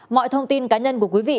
mọi thông tin cá nhân của quý vị